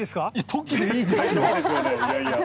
トキでいいですよ。